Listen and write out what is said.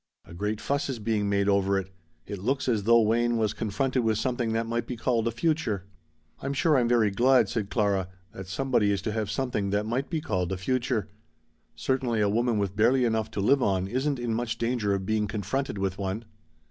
A great fuss is being made over it. It looks as though Wayne was confronted with something that might be called a future." "I'm sure I'm very glad," said Clara, "that somebody is to have something that might be called a future. Certainly a woman with barely enough to live on isn't in much danger of being confronted with one."